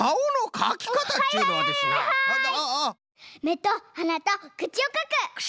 めとはなとくちをかく！